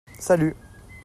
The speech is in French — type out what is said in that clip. Salut.